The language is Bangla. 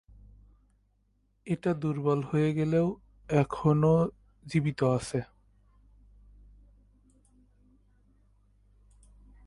এটা দুর্বল হয়ে গেলেও এখনও জীবিত আছে।